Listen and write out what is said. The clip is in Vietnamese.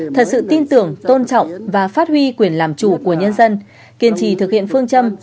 thật sự tin tưởng tôn trọng và phát huy quyền làm chủ của nhân dân kiên trì thực hiện phương châm